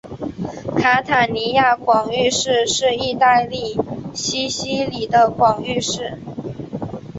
卡塔尼亚广域市是意大利西西里的一个广域市。